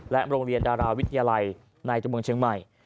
โรงเรียนดาราวิทยาลัยในตัวเมืองเชียงใหม่